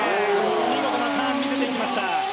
見事なターンを見せていきました。